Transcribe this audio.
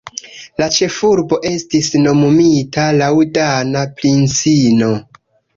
La ĉefurbo estis nomumita laŭ dana princino.